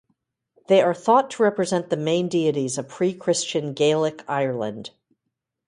They are thought to represent the main deities of pre-Christian Gaelic Ireland.